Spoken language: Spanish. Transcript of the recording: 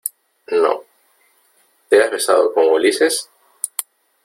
no .¿ te has besado con Ulises ?